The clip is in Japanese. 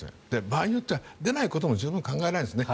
場合によっては出ないことも十分考えられるんですね。